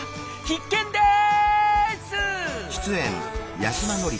必見です！